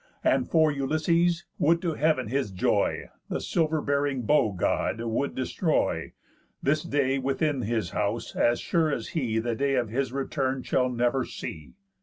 And, for Ulysses, would to heav'n his joy The silver bearing bow God would destroy, This day, within his house, as sure as he The day of his return shall never see."